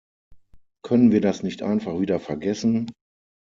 Können wir das nicht einfach wieder vergessen?